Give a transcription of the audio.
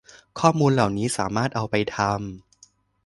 ข้อมูลเหล่านี้สามารถเอาไปทำ